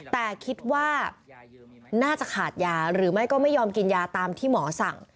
แต่คิดว่าน่าจะขาดยาหรือไม่ก็ไม่ยอมกินยาตามที่หมอสั่ง